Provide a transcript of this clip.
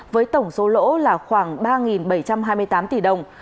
với tổng số lỗ là khoảng ba bảy trăm hai mươi tám tỷ đồng